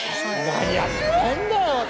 何やってんだよ！